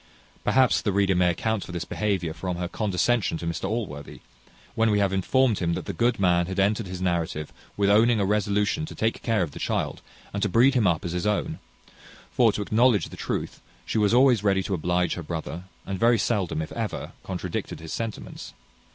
Perhaps the reader may account for this behaviour from her condescension to Mr Allworthy, when we have informed him that the good man had ended his narrative with owning a resolution to take care of the child, and to breed him up as his own; for, to acknowledge the truth, she was always ready to oblige her brother, and very seldom, if ever, contradicted his sentiments.